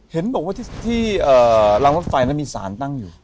เห็นบอกว่าที่รางรถไฟมีสารตั้งอยู่